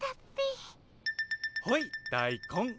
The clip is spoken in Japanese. ほい大根。